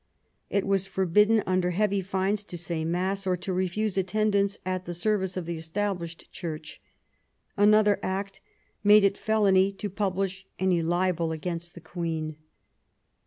It was forbidden, under heavy fines, to say Mass, or to refuse attendance at the service of the Established Church. Another Act made it felony to publish any libel against the Queen.